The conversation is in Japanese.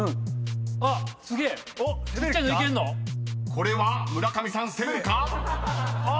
［これは村上さん攻めるか⁉］